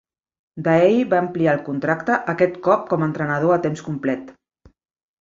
Daei va ampliar el contracte, aquest cop com a entrenador a temps complet.